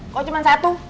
kok cuma satu